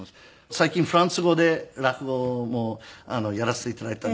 最近フランス語で落語もやらせて頂いたんですけど。